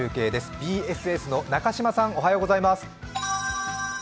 ＢＳＳの中島さんおはようございます。